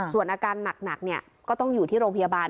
ส่วนอาการหนักก็ต้องอยู่ที่โรงพยาบาล